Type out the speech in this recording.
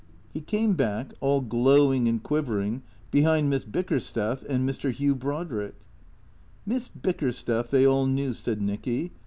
He came back, all glowing and quivering, behind Miss Bick ersteth and Mr. Hugh Brodrick. Miss Bickersteth they all knew, said Nicky.